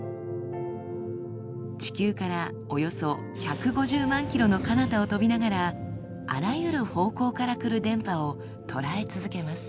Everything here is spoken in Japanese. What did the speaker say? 地球からおよそ１５０万ｋｍのかなたを飛びながらあらゆる方向から来る電波を捉え続けます。